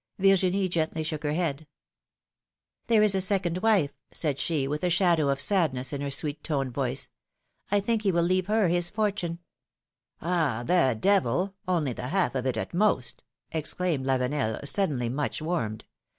Virginie gently shook her head. philom£:ne's marriages. 117 There is a second wife/^ said she, with a shadow of sadness in her sweet toned voice. I think he will leave her his fortune.^^ ^^Ah ! the devil! Only the half of it, at most!'^ exclaimed Lavenel, suddenly, much warmed.